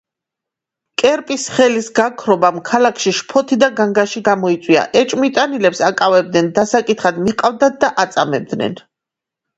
კერპის ხელის გაქრობამ ქალაქში შფოთი და განგაში გამოიწვია, ეჭვმიტანილებს აკავებდნენ, დასაკითხად მიჰყავდათ და აწამებდნენ.